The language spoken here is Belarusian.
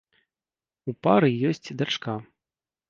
У пары ёсць дачка.